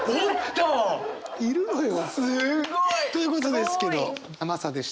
すごい！ということですけど「甘さ」でした。